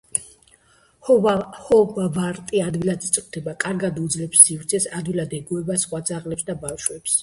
ჰოვავარტი ადვილად იწვრთნება, კარგად უძლებს სიცივეს, ადვილად ეგუება სხვა ძაღლებს და ბავშვებს.